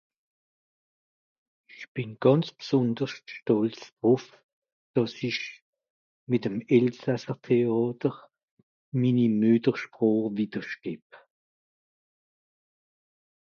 Le plus important ; qu'avec le théâtre alsacien je perpétue ma langue maternelle